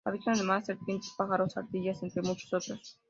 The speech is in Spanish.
Habitan además serpientes, pájaros, ardillas entre muchos otros.